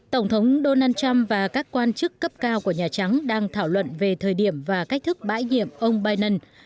tổng thống donald trump và các quan chức cấp cao của nhà trắng đang thảo luận về thời điểm và cách thức bãi nhiệm ông biden